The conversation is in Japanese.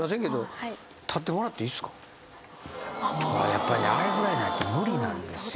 やっぱりあれぐらいないと無理なんですよ